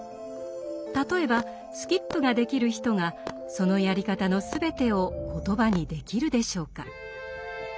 例えばスキップができる人がそのやり方の全てを言葉にできるでしょうか？